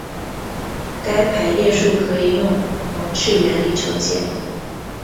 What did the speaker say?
该排列数可以用容斥原理求解。